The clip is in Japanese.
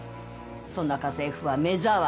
そんな家政婦は目障り！